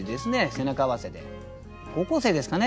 背中合わせで高校生ですかね